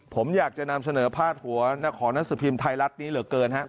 ผมอยากจะนำเสนอพาดหัวหนังสือพิมพ์ไทยรัฐนี้เหลือเกินครับ